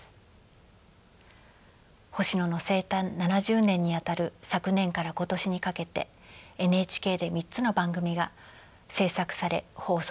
星野の生誕７０年にあたる昨年から今年にかけてＮＨＫで３つの番組が制作され放送されました。